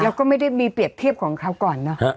แล้วก็ไม่ได้มีเปรียบเทียบของเขาก่อนเนอะ